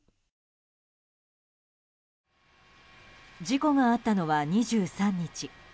事故があったのは、２３日。